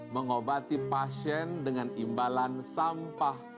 mengobati pasien dengan imbalan sampah